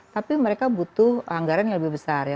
tapi mereka butuh anggaran yang lebih besar ya